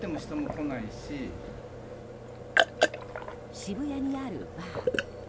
渋谷にあるバー。